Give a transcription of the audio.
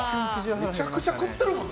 めちゃくちゃ食ってるもんな